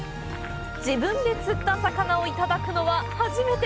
自分で釣った魚をいただくのは初めて！